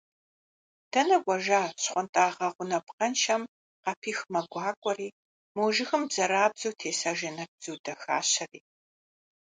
Дэнэ кӏуэжа щхъуантӏагъэ гъунапкъэншэм къапих мэ гуакӏуэри, мо жыгым бзэрабзэу теса жэнэт бзу дахащэри…